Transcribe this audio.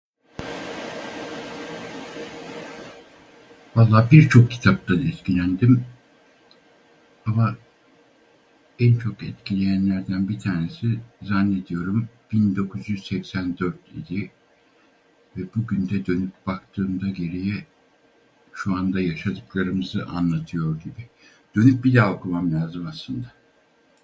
Valla birçok kitaptan etkilendim; ama en çok etkileyenlerden bir tanesi, zannediyorum bin dokuz yüz seksen dört idi, ve bugün de dönüp baktığımda geriye, şu anda yaşadıklarımızı anlatıyor gibi. Dönüp bir daha okumam lazım aslında.